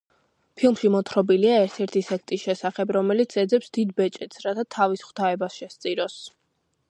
ფილმში მოთხრობილია ერთ-ერთი სექტის შესახებ, რომელიც ეძებს დიდ ბეჭედს, რათა თავის ღვთაებას შესწიროს.